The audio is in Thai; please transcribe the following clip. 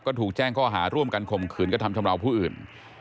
ก็ถูกแจ้งข้อหาร่วมกันข่มขืนกระทำชำราวผู้อื่น